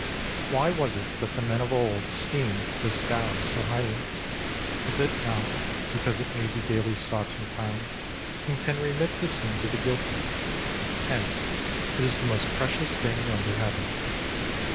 Why was it that the men of old esteemed this Tao so highly ? Is it not because it may be daily sought and found, and can remit the sins of the guilty ? Hence it is the most precious thing under Heaven.